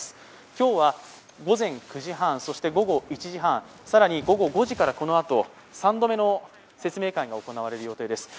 今日は午前９時半そして午後１時半、更に午後５時からこのあと３度目の説明会が行われる予定です。